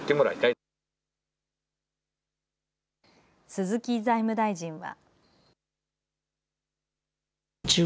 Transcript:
鈴木財務大臣は。